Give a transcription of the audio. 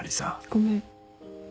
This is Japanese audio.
ごめん。